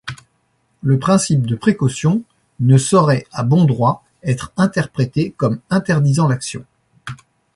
Le principe de précaution ne saurait à bon droit être interprété comme interdisant l'action.